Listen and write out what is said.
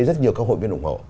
rất nhiều các hội viên ủng hộ